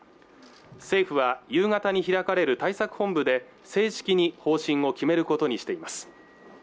政府は夕方に開かれる対策本部で正式に方針を決めることにしています